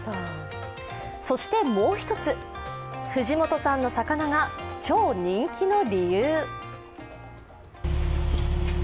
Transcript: そしてもう一つ、藤本さんの魚が超人気の理由。